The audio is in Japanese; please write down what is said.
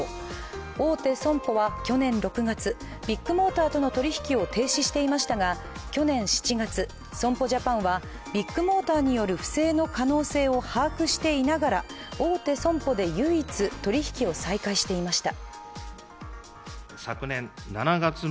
大手損保は去年６月、ビッグモーターとの取り引きを停止していましたが去年７月、損保ジャパンはビッグモーターによる不正の可能性を把握していながら、大手損保で唯一、取り引きを再開していました。